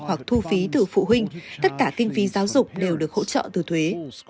hoặc thu phí từ phụ huynh tất cả kinh phí giáo dục đều được hỗ trợ từ thuế